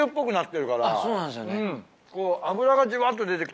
そうなんですよね。